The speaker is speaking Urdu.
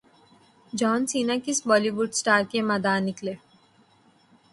جان سینا کس بولی وڈ اسٹار کے مداح نکلے